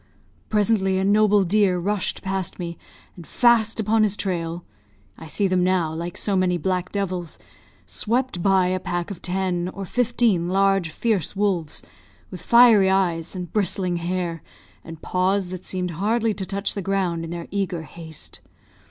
Presently a noble deer rushed past me, and fast upon his trail I see them now, like so many black devils swept by a pack of ten or fifteen large, fierce wolves, with fiery eyes and bristling hair, and paws that seemed hardly to touch the ground in their eager haste.